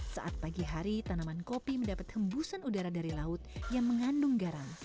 saat pagi hari tanaman kopi mendapat hembusan udara dari laut yang mengandung garam